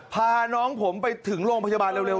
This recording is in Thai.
พาน้องผมไปถึงโรงพยาบาลเร็ว